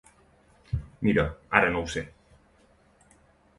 Mira, ara no ho sé.